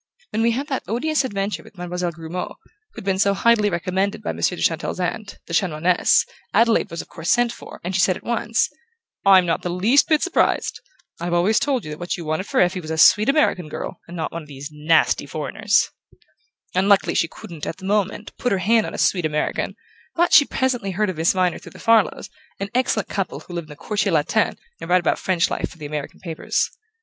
When we had that odious adventure with Mademoiselle Grumeau, who'd been so highly recommended by Monsieur de Chantelle's aunt, the Chanoinesse, Adelaide was of course sent for, and she said at once: 'I'm not the least bit surprised. I've always told you that what you wanted for Effie was a sweet American girl, and not one of these nasty foreigners.' Unluckily she couldn't, at the moment, put her hand on a sweet American; but she presently heard of Miss Viner through the Farlows, an excellent couple who live in the Quartier Latin and write about French life for the American papers.